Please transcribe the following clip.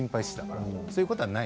そういうことはない？